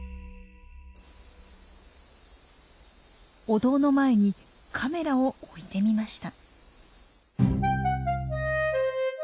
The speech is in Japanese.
お堂の前にカメラを置いてみました。